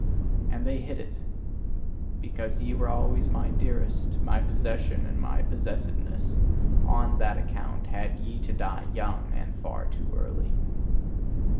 And they hit it! Because ye were always my dearest, my possession and my possessedness: ON THAT ACCOUNT had ye to die young, and far too early!